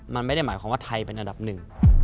มันไม่ได้หมายความว่าไทยเป็นอันดับหนึ่ง